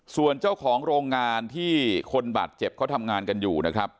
ส่วนเจ้าของโรงงานที่คนบาดเจ็บเขาทำงานกันอยู่นะครับ